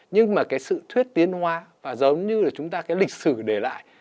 nhưng mà cái sự thuyết tiến hóa và giống như là chúng ta cái lịch sử để lại